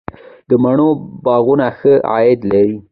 د مڼو باغونه ښه عاید لري؟